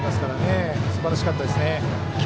すばらしかったですね。